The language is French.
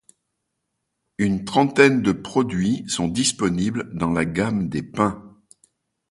Une trentaine de produits sont disponibles dans la gamme des pains.